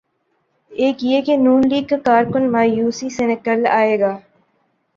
ایک یہ کہ نون لیگ کا کارکن مایوسی سے نکل آئے گا۔